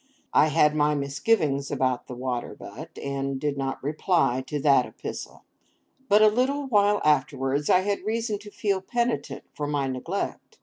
I had my misgivings about the water butt, and did not reply to that epistle. But a little while afterwards, I had reason to feel penitent for my neglect.